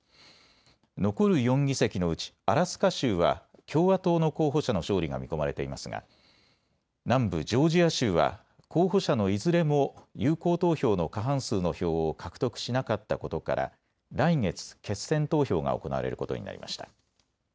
残る４議席のうちアラスカ州は共和党の候補者の勝利が見込まれていますが南部ジョージア州は候補者のいずれも有効投票の過半数の票を獲得しなかったことから来月、決選投票が行われることになりました。